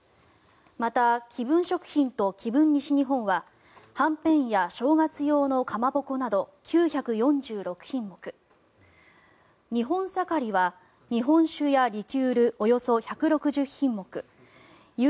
また、紀文食品と紀文西日本ははんぺんや正月用のかまぼこなど９４６品目日本盛は日本酒やリキュールおよそ１６０品目